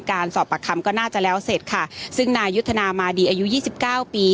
การสอบปากคำก็น่าจะแล้วเสร็จค่ะซึ่งนายยุทธนามาดีอายุยี่สิบเก้าปี